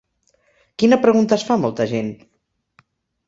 Quina pregunta es fa molta gent?